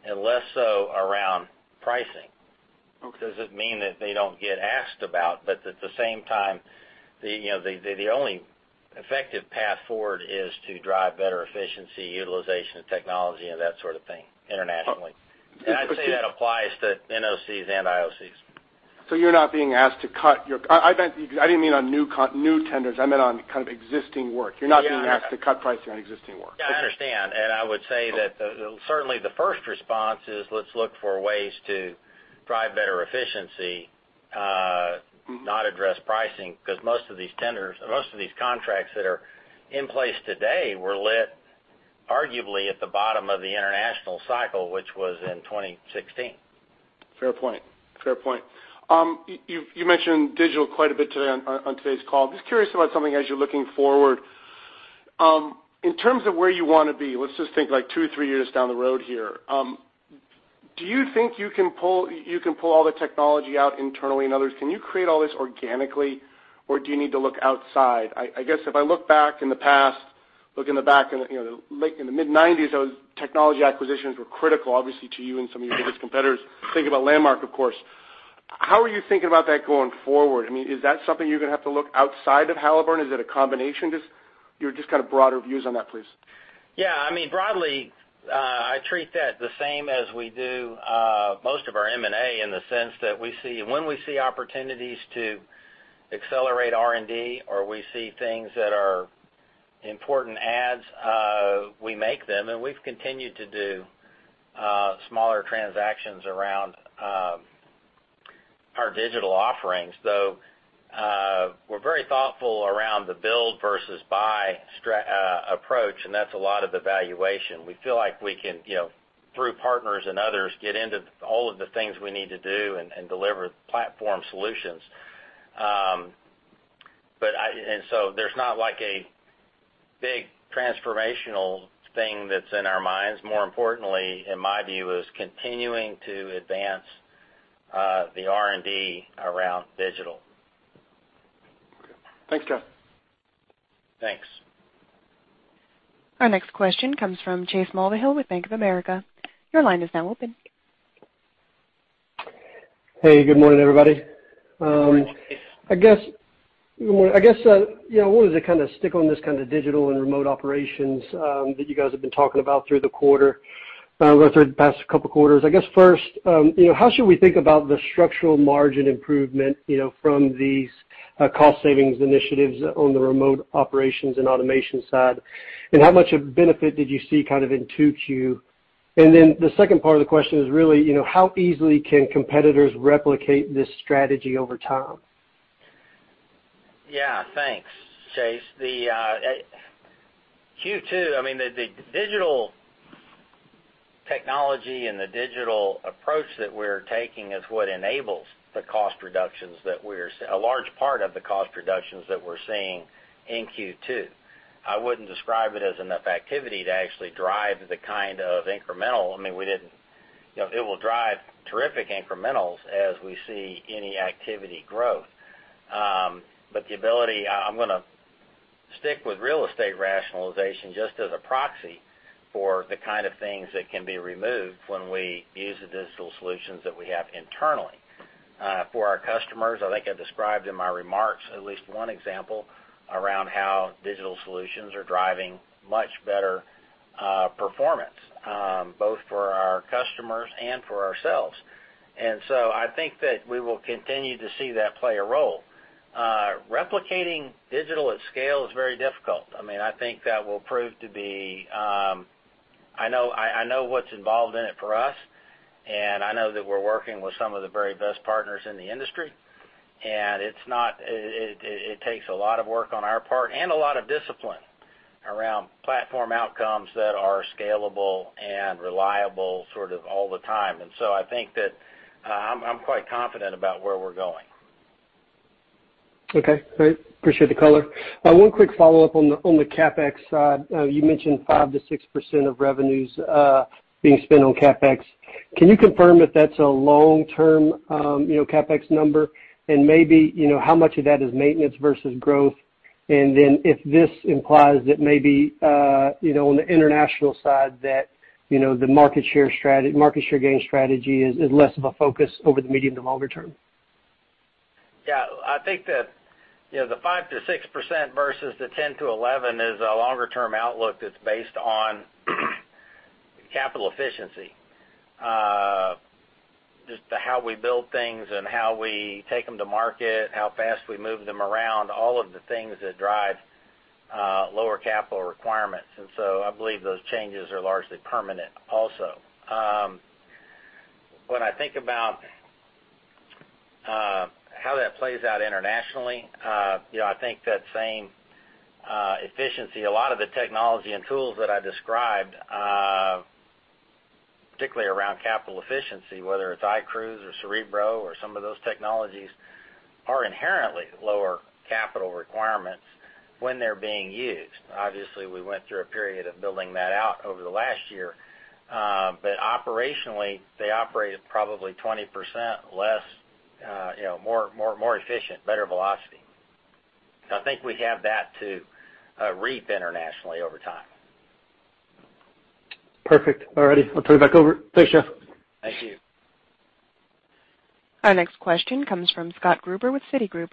and less so around pricing. Okay. Doesn't mean that they don't get asked about, but at the same time, the only effective path forward is to drive better efficiency, utilization of technology and that sort of thing internationally. I'd say that applies to NOCs and IOCs. You're not being asked to cut. I didn't mean on new tenders. I meant on kind of existing work. You're not being asked to cut pricing on existing work. Yeah, I understand. I would say that certainly the first response is let's look for ways to drive better efficiency. Not address pricing, because most of these tenders or most of these contracts that are in place today were let arguably at the bottom of the international cycle, which was in 2016. Fair point. You've mentioned digital quite a bit today on today's call. Just curious about something as you're looking forward. In terms of where you want to be, let's just think like two or three years down the road here. Do you think you can pull all the technology out internally and others? Can you create all this organically, or do you need to look outside? I guess if I look back in the past, late in the mid-'90s, those technology acquisitions were critical, obviously, to you and some of your biggest competitors. Think about Landmark, of course. How are you thinking about that going forward? Is that something you're going to have to look outside of Halliburton? Is it a combination? Just your kind of broader views on that, please. Yeah. Broadly, I treat that the same as we do most of our M&A in the sense that when we see opportunities to accelerate R&D or we see things that are important adds, we make them. We've continued to do smaller transactions around our digital offerings, though we're very thoughtful around the build versus buy approach, and that's a lot of evaluation. We feel like we can, through partners and others, get into all of the things we need to do and deliver platform solutions. There's not like a big transformational thing that's in our minds. More importantly, in my view, is continuing to advance the R&D around digital. Okay. Thanks, Jeff. Thanks. Our next question comes from Chase Mulvihill with Bank of America. Your line is now open. Hey, good morning, everybody. Good morning. I guess, I wanted to kind of stick on this kind of digital and remote operations that you guys have been talking about through the quarter, or through the past couple of quarters. I guess first, how should we think about the structural margin improvement from these cost savings initiatives on the remote operations and automation side? How much of benefit did you see kind of in 2Q? The second part of the question is really, how easily can competitors replicate this strategy over time? Yeah. Thanks, Chase. Q2, the digital technology and the digital approach that we're taking is what enables a large part of the cost reductions that we're seeing in Q2. I wouldn't describe it as enough activity to actually drive the kind of incremental. It will drive terrific incrementals as we see any activity growth. The ability, I'm going to stick with real estate rationalization just as a proxy for the kind of things that can be removed when we use the digital solutions that we have internally. For our customers, I think I described in my remarks at least one example around how digital solutions are driving much better performance, both for our customers and for ourselves. I think that we will continue to see that play a role. Replicating digital at scale is very difficult. I know what's involved in it for us, and I know that we're working with some of the very best partners in the industry, and it takes a lot of work on our part and a lot of discipline around platform outcomes that are scalable and reliable sort of all the time. I think that I'm quite confident about where we're going. Okay, great. Appreciate the color. One quick follow-up on the CapEx side. You mentioned 5%-6% of revenues being spent on CapEx. Can you confirm if that's a long-term CapEx number? Maybe, how much of that is maintenance versus growth? If this implies that maybe on the international side that the market share gain strategy is less of a focus over the medium to longer term. I think that the 5%-6% versus the 10%-11% is a longer-term outlook that's based on capital efficiency. Just how we build things and how we take them to market, how fast we move them around, all of the things that drive lower capital requirements. I believe those changes are largely permanent also. When I think about how that plays out internationally, I think that same efficiency, a lot of the technology and tools that I described, particularly around capital efficiency, whether it's iCruise or Cerebro or some of those technologies, are inherently lower capital requirements when they're being used. Obviously, we went through a period of building that out over the last year. Operationally, they operate at probably 20% less, more efficient, better velocity. I think we have that to reap internationally over time. Perfect. All righty. I'll turn it back over. Thanks, Jeff. Thank you. Our next question comes from Scott Gruber with Citigroup.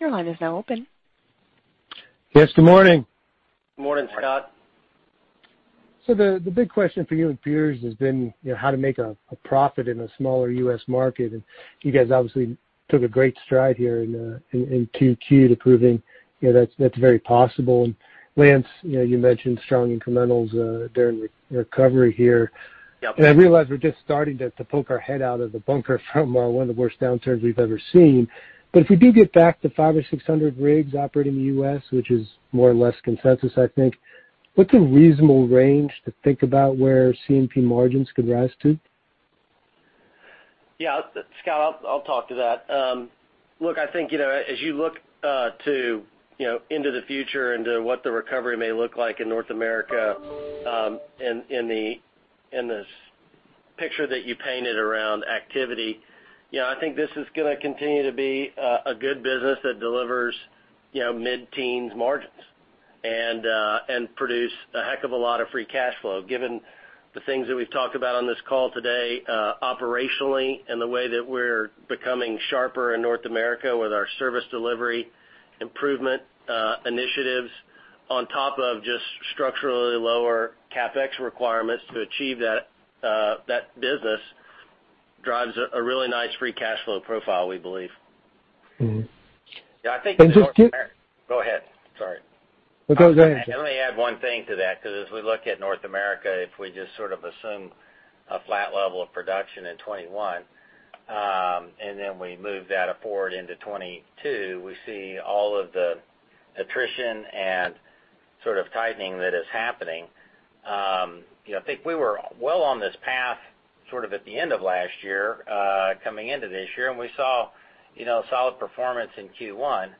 Your line is now open. Yes, good morning. Good morning, Scott. The big question for you and peers has been how to make a profit in a smaller U.S. market, and you guys obviously took a great stride here in 2Q to proving that's very possible. Lance, you mentioned strong incrementals during the recovery here. Yep. I realize we're just starting to poke our head out of the bunker from one of the worst downturns we've ever seen. If we do get back to 500 or 600 rigs operating in the U.S., which is more or less consensus, I think, what's a reasonable range to think about where C&P margins could rise to? Yeah, Scott, I'll talk to that. Look, I think, as you look into the future and to what the recovery may look like in North America, and in this picture that you painted around activity, I think this is going to continue to be a good business that delivers mid-teens margins and produce a heck of a lot of free cash flow, given the things that we've talked about on this call today, operationally and the way that we're becoming sharper in North America with our service delivery improvement initiatives on top of just structurally lower CapEx requirements to achieve that business drives a really nice free cash flow profile, we believe. Yeah. And just to- Go ahead. Sorry. No, go ahead. Let me add one thing to that, because as we look at North America, if we just sort of assume a flat level of production in 2021, then we move that forward into 2022, we see all of the attrition and sort of tightening that is happening. I think we were well on this path sort of at the end of last year, coming into this year, and we saw solid performance in Q1.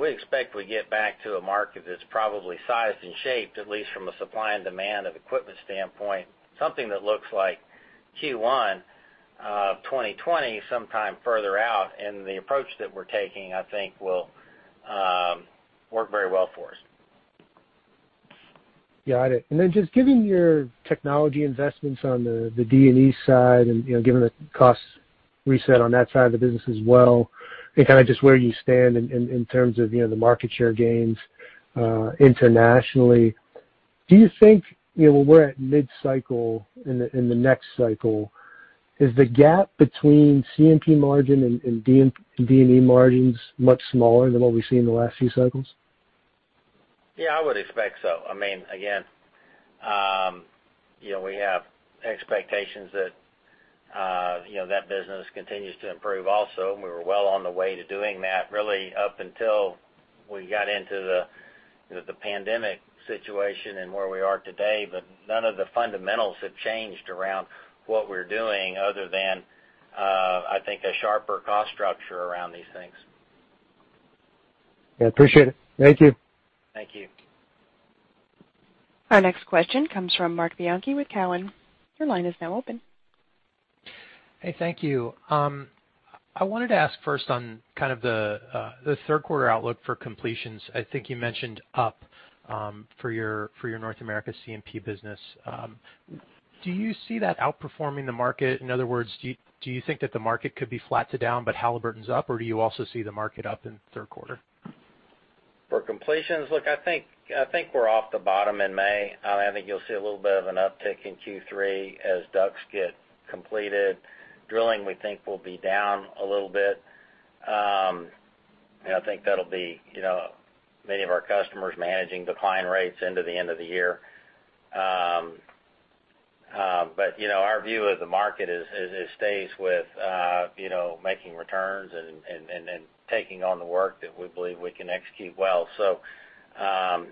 We expect we get back to a market that's probably sized and shaped, at least from a supply and demand of equipment standpoint, something that looks like Q1 of 2020 sometime further out. The approach that we're taking, I think, will work very well for us. Got it. Just given your technology investments on the D&E side and given the cost reset on that side of the business as well, and kind of just where you stand in terms of the market share gains internationally, do you think, when we're at mid cycle in the next cycle, is the gap between C&P margin and D&E margins much smaller than what we've seen in the last few cycles? Yeah, I would expect so. Again, we have expectations that that business continues to improve also, and we were well on the way to doing that really up until we got into the pandemic situation and where we are today. None of the fundamentals have changed around what we're doing other than, I think, a sharper cost structure around these things. Yeah, appreciate it. Thank you. Thank you. Our next question comes from Marc Bianchi with Cowen. Your line is now open. Hey, thank you. I wanted to ask first on kind of the third quarter outlook for completions. I think you mentioned up for your North America C&P business. Do you see that outperforming the market? In other words, do you think that the market could be flat to down but Halliburton's up, or do you also see the market up in the third quarter? For completions, look, I think we're off the bottom in May. I think you'll see a little bit of an uptick in Q3 as DUCs get completed. Drilling, we think, will be down a little bit. I think that'll be many of our customers managing decline rates into the end of the year. Our view of the market stays with making returns and taking on the work that we believe we can execute well. I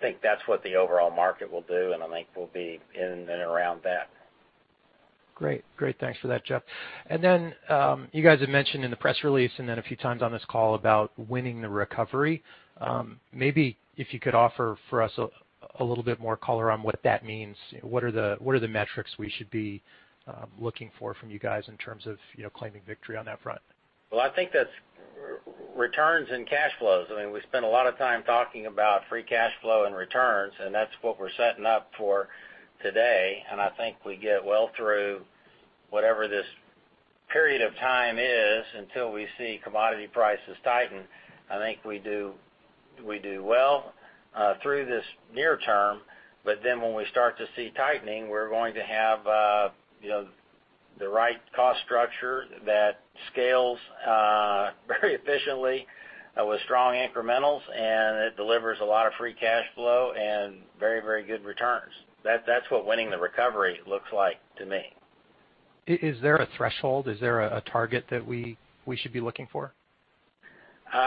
think that's what the overall market will do, and I think we'll be in and around that. Great. Thanks for that, Jeff. You guys had mentioned in the press release, and then a few times on this call about winning the recovery. Maybe if you could offer for us a little bit more color on what that means. What are the metrics we should be looking for from you guys in terms of claiming victory on that front? Well, I think that's returns and cash flows. I mean, we spent a lot of time talking about free cash flow and returns, and that's what we're setting up for today. I think we get well through whatever this period of time is until we see commodity prices tighten. I think we do well through this near term, but then when we start to see tightening, we're going to have the right cost structure that scales very efficiently with strong incrementals, and it delivers a lot of free cash flow and very good returns. That's what winning the recovery looks like to me. Is there a threshold? Is there a target that we should be looking for?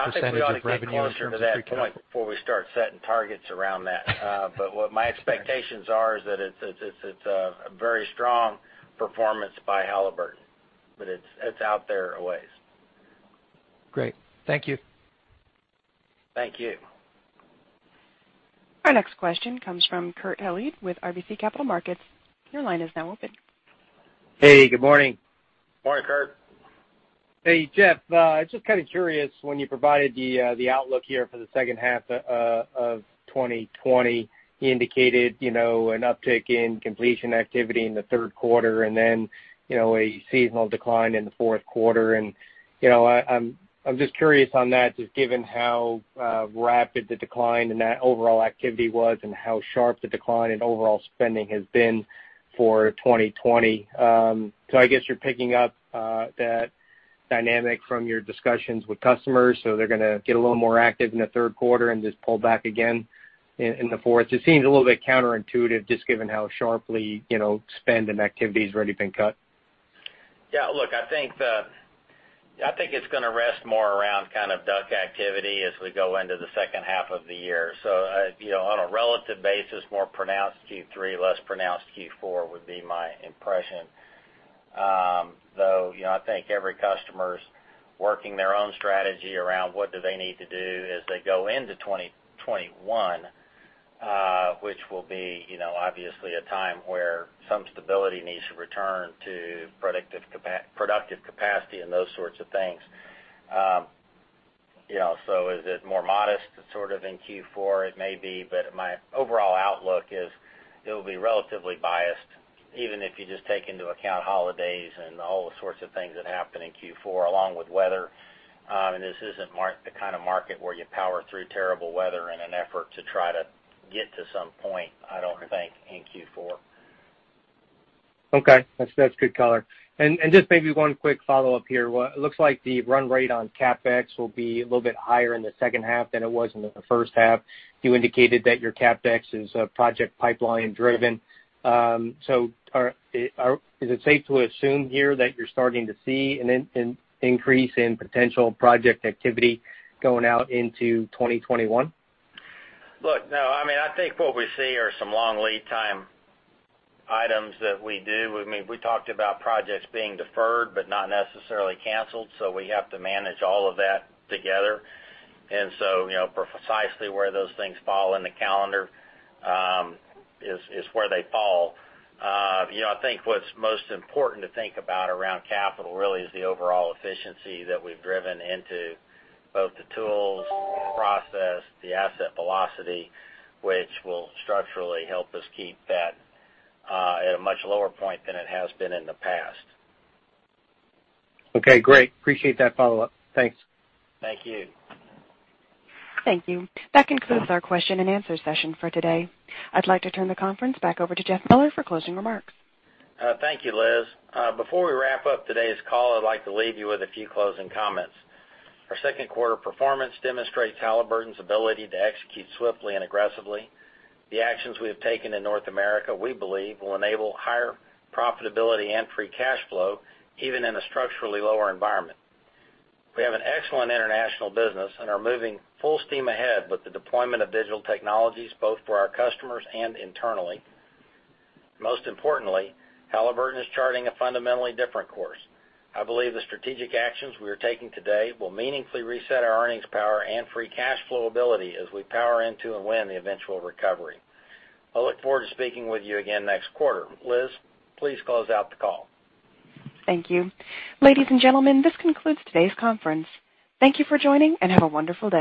% of revenue in terms of free cash flow. I think we ought to get closer to that point before we start setting targets around that. Fair. What my expectations are is that it's a very strong performance by Halliburton, but it's out there a ways. Great. Thank you. Thank you. Our next question comes from Kurt Hallead with RBC Capital Markets. Your line is now open. Hey, good morning. Morning, Kurt. Hey, Jeff. Just kind of curious, when you provided the outlook here for the second half of 2020, you indicated an uptick in completion activity in the third quarter and then a seasonal decline in the fourth quarter. I'm just curious on that, just given how rapid the decline in that overall activity was and how sharp the decline in overall spending has been for 2020. I guess you're picking up that dynamic from your discussions with customers, so they're gonna get a little more active in the third quarter and just pull back again in the fourth? It seems a little bit counterintuitive, just given how sharply spend and activity's already been cut. Yeah, look, I think it's gonna rest more around kind of DUC activity as we go into the second half of the year. On a relative basis, more pronounced Q3, less pronounced Q4 would be my impression. I think every customer's working their own strategy around what do they need to do as they go into 2021, which will be obviously a time where some stability needs to return to productive capacity and those sorts of things. Is it more modest sort of in Q4? It may be, my overall outlook is it'll be relatively biased, even if you just take into account holidays and all the sorts of things that happen in Q4, along with weather. This isn't the kind of market where you power through terrible weather in an effort to try to get to some point, I don't think, in Q4. Okay. That's good color. Just maybe one quick follow-up here. It looks like the run rate on CapEx will be a little bit higher in the second half than it was in the first half. You indicated that your CapEx is project pipeline driven. Is it safe to assume here that you're starting to see an increase in potential project activity going out into 2021? Look, no, I mean, I think what we see are some long lead time items that we do. I mean, we talked about projects being deferred but not necessarily canceled, so we have to manage all of that together. Precisely where those things fall in the calendar, is where they fall. I think what's most important to think about around capital really is the overall efficiency that we've driven into both the tools, the process, the asset velocity, which will structurally help us keep that at a much lower point than it has been in the past. Okay, great. Appreciate that follow-up. Thanks. Thank you. Thank you. That concludes our question and answer session for today. I'd like to turn the conference back over to Jeff Miller for closing remarks. Thank you, Liz. Before we wrap up today's call, I'd like to leave you with a few closing comments. Our second quarter performance demonstrates Halliburton's ability to execute swiftly and aggressively. The actions we have taken in North America, we believe, will enable higher profitability and free cash flow, even in a structurally lower environment. We have an excellent international business and are moving full steam ahead with the deployment of digital technologies, both for our customers and internally. Most importantly, Halliburton is charting a fundamentally different course. I believe the strategic actions we are taking today will meaningfully reset our earnings power and free cash flow ability as we power into and win the eventual recovery. I look forward to speaking with you again next quarter. Liz, please close out the call. Thank you. Ladies and gentlemen, this concludes today's conference. Thank you for joining, and have a wonderful day.